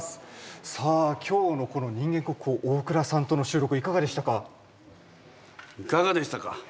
さあ今日のこの人間国宝大倉さんとの収録いかがでしたか？